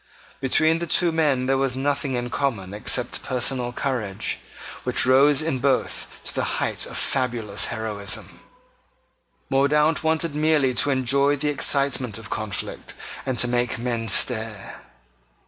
Between the two men there was nothing in common except personal courage, which rose in both to the height of fabulous heroism. Mordaunt wanted merely to enjoy the excitement of conflict, and to make men stare.